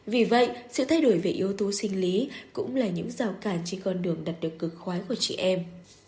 vì vậy sự thay đổi về yếu tố sinh lý cũng là những rào cản trên con đường đặt được cử khoái của chị em